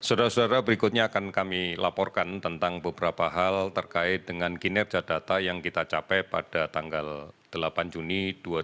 saudara saudara berikutnya akan kami laporkan tentang beberapa hal terkait dengan kinerja data yang kita capai pada tanggal delapan juni dua ribu dua puluh